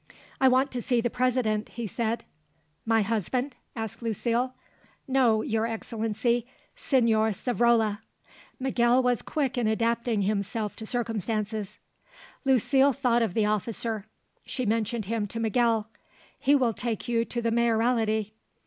"I want to see the President," he said. "My husband?" asked Lucile. "No, Your Excellency, Señor Savrola." Miguel was quick in adapting himself to circumstances. Lucile thought of the officer; she mentioned him to Miguel. "He will take you to the Mayoralty."